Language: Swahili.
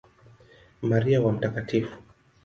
Maria wa Mt.